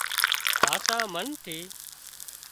هاسا منَ ٿِي